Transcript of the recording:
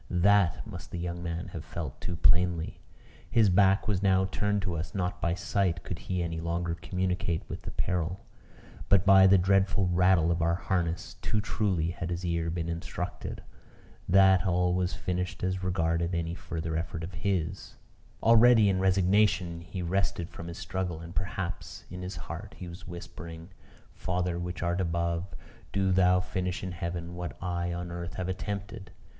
That must the young man have felt too plainly. His back was now turned to us; not by sight could he any longer communicate with the peril; but by the dreadful rattle of our harness, too truly had his ear been instructed that all was finished as regarded any further effort of his. Already in resignation he had rested from his struggle; and perhaps, in his heart he was whispering "Father, which art above, do thou finish in heaven what I on earth have attempted."